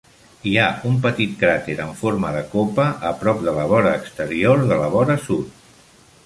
Hi ha un petit cràter en forma de copa a prop de la vora exterior de la vora sud.